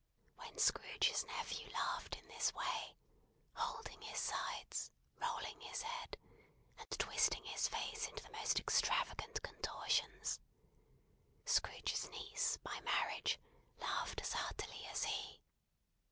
When Scrooge's nephew laughed in this way: holding his sides, rolling his head, and twisting his face into the most extravagant contortions: Scrooge's niece, by marriage, laughed as heartily as he.